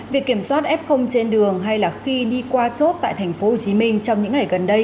việc kiểm soát f trên đường hay là khi đi qua chốt tại tp hcm trong những ngày gần đây